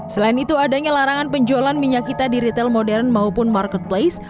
selain itu adanya larangan penjualan minyak kita di retail modern maupun marketplace